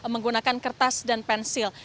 menggunakan kertas dan pensil